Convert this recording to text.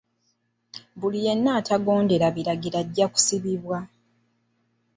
Buli yenna atagondera biragiro ajja kusibibwa.